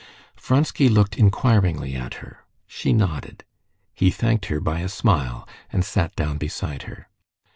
Vronsky looked inquiringly at her. She nodded. He thanked her by a smile, and sat down beside her.